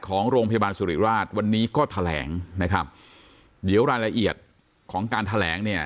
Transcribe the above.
ของโรงพยาบาลสุริราชวันนี้ก็แถลงนะครับเดี๋ยวรายละเอียดของการแถลงเนี่ย